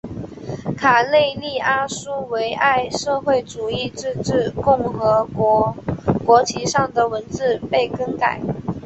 卡累利阿苏维埃社会主义自治共和国国旗上的文字被更改。